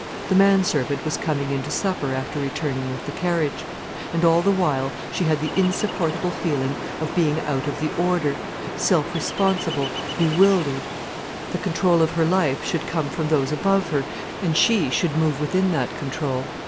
The man servant was coming in to supper after returning with the carriage. And all the while she had the insupportable feeling of being out of the order, self responsible, bewildered. The control of her life should come from those above her, and she should move within that control.